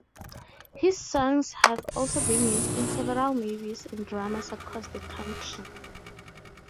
His songs have also been used in several movies and dramas across the country.